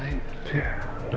yang berintah saya